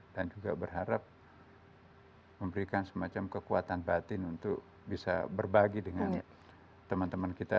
dan juga berharap memberikan semacam kekuatan batin untuk bisa berbagi dengan teman teman kita